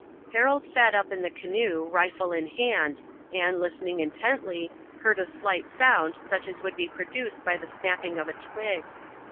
Harold sat up in the canoe, rifle in hand, and, listening intently, heard a slight sound such as would be produced by the snapping of a twig.